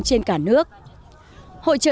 trên cả nước hỗ trợ